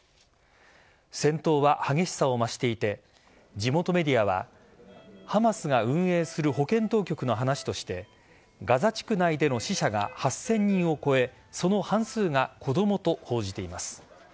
戦闘は激しさを増していて地元メディアはハマスが運営する保健当局の話としてガザ地区内での死者が８０００人を超えその半数が子供と報じています。